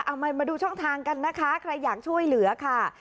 เอามาดูช่องทางกันนะคะใครอยากช่วยเหลือค่ะ